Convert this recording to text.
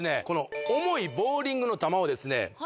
この重いボウリングの球をですね